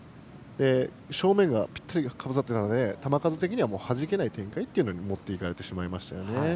正面がぴったりかぶさってたので球数的にははじけない展開に持っていかれました。